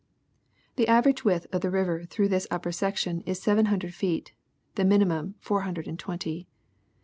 . The average width of the river through this upper section is seven hundred feet, the minimum four hundx'ed and twenty.